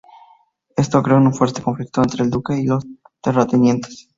Esto creó un fuerte conflicto entre el duque y los terratenientes.